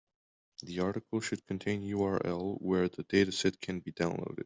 The article should contain URL where the dataset can be downloaded.